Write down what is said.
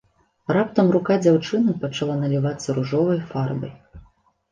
Раптам рука дзяўчыны пачала налівацца ружовай фарбай.